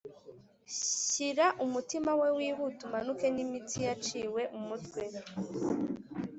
shyira umutima we wihuta, umanike n'imitsi yaciwe umutwe